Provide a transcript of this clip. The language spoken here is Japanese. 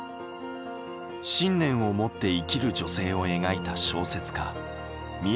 信念を持って生きる女性を描いた小説家宮本百合子。